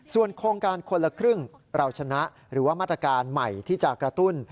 ส่วนโครงการคนละครึ่งเราชนะหรือว่ามาตรการใหม่ที่จะกระตุ้น